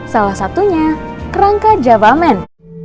salah satunya kerangka javamen